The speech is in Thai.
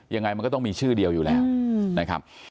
ยังไงมันก็ต้องมีชื่อเดียวอยู่แล้วนะครับ